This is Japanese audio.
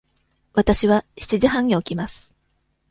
わたしは七時半に起きます。